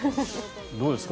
どうですか？